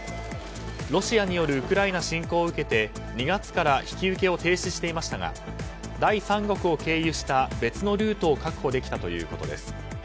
ロシアによるウクライナ侵攻を受けて２月から引き受けを停止していましたが第三国を経由した別のルートを確保できたということです。